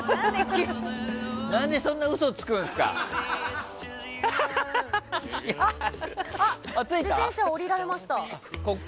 何でそんな嘘つくんですか？